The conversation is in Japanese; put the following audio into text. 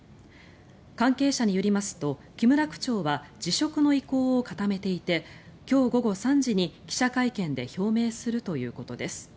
関係者によりますと木村区長は辞職の意向を固めていて今日午後３時に記者会見で表明するということです。